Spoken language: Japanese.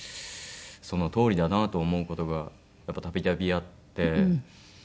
そのとおりだなと思う事が度々あって。